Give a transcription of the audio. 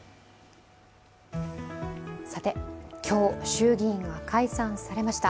今日、衆議院が解散されました。